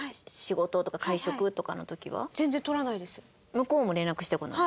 向こうも連絡してこない？